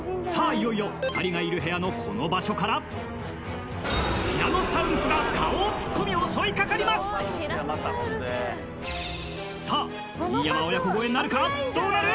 いよいよ２人がいる部屋のこの場所からティラノサウルスが顔を突っ込み襲いかかりますさあどうなる！？